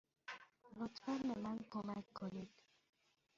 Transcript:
لطفا به من کمک کنید.